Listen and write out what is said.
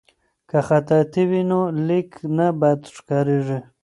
که خطاطي وي نو لیک نه بد ښکاریږي.